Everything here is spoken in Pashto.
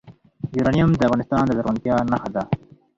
یورانیم د افغانستان د زرغونتیا نښه ده.